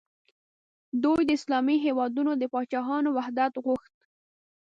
دوی د اسلامي هیوادونو د پاچاهانو وحدت غوښت.